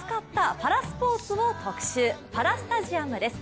「パラスタジアム」です。